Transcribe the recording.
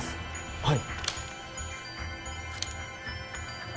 はい。